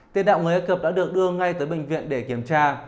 tiến đạo người egypt đã được đưa ngay tới bệnh viện để kiểm tra